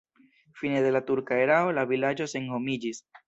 Fine de la turka erao la vilaĝo senhomiĝis.